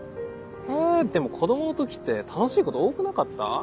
えでも子供の時って楽しいこと多くなかった？